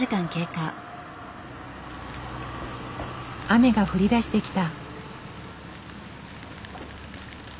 雨が降りだしてきた。